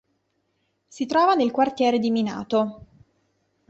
Si trova nel quartiere di Minato.